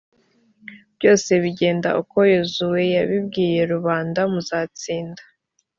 byose bigenda uko yozuwe yabibwiye rubanda muzatsinda.